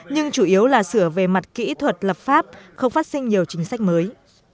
nhưng chủ yếu là sửa về mặt kỹ thuật lập pháp không phát sinh nhiều chính sách mới